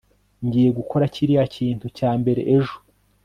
Ngiye gukora kiriya kintu cya mbere ejo